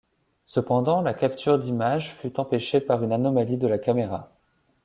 Cependant, la capture d'images fut empêchée par une anomalie de la caméra.